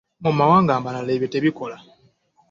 Mu mawanga amalala ebyo tebikola.